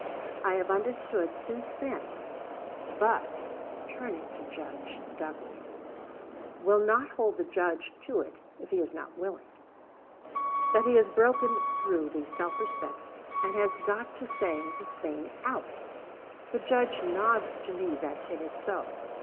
I have understood since then (but [turning to Judge Douglas] will not hold the Judge to it if he is not willing) that he has broken through the "self respect," and has got to saying the thing out. The Judge nods to me that it is so.